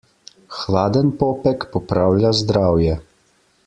Hladen popek popravlja zdravje.